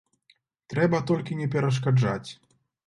Трэба толькі не перашкаджаць.